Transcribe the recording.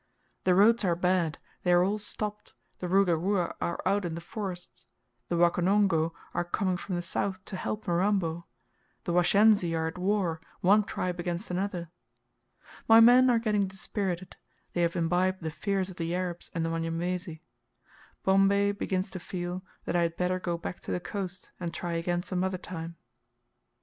"The roads are bad; they are all stopped; the Ruga Ruga are out in the forests; the Wakonongo are coming from the south to help Mirambo; the Washensi are at war, one tribe against another." My men are getting dispirited, they have imbibed the fears of the Arabs and the Wanyamwezi. Bombay begins to feel that I had better go back to the coast, and try again some other time.